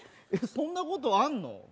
そんなことあんの？